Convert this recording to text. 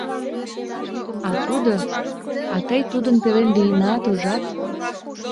А тудо... а тый тудын пелен лийынат, ужат?